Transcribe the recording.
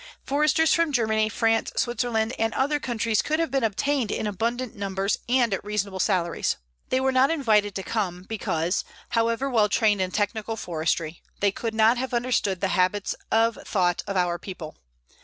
Foresters from Germany, France, Switzerland, and other countries could have been obtained in abundant numbers and at reasonable salaries. They were not invited to come because, however well trained in technical forestry, they could not have understood the habits of thought of our people.